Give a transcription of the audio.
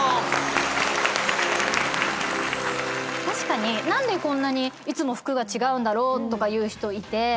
確かに何でこんなにいつも服が違うんだろうって人いて。